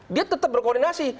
dia tetap berkoordinasi